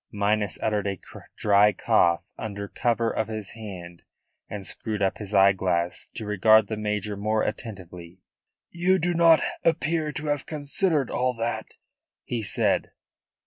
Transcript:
Minas uttered a dry cough under cover of his hand, and screwed up his eyeglass to regard the major more attentively. "You do not appear to have considered all that," he said.